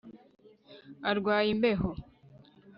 Arwaye imbeho